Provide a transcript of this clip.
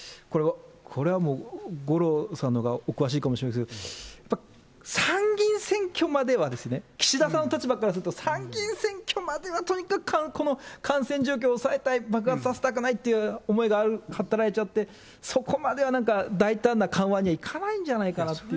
これはもう、五郎さんのがお詳しいかもしれないですけど、やっぱり参議院選挙まではですね、岸田さんの立場からすると、参議院選挙まではとにかくこの感染状況を抑えたい、爆発させたくないっていう思いが働いちゃって、そこまではなんか、大胆な緩和にはいかないんじゃないかなって。